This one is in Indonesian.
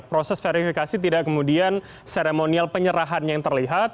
proses verifikasi tidak kemudian seremonial penyerahannya yang terlihat